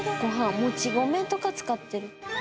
もち米とか使ってる。